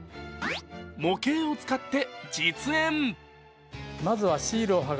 模型を使って実演。